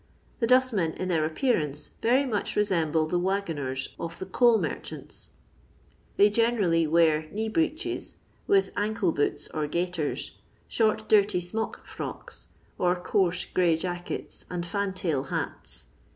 The dustmen, in their appearance, very mncb resemble the waggoners of the coal merchants. They generally wear knee breeches, with ancle boots or gaiters, short dirty smockfrocks or coarse gray jackets, and fan tail hats.